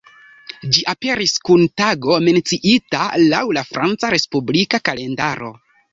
Ĝi aperis kun tago menciita laŭ la Franca respublika kalendaro.